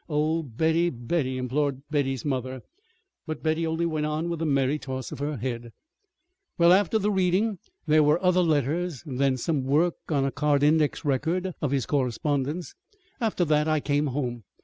"Oh, Betty! Betty!" implored Betty's mother. But Betty only went on with a merry toss of her head: "Well, after the reading there were other letters, then some work on a card index record of his correspondence. After that I came home.